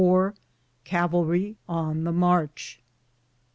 CAVALRY ON THE MAECH.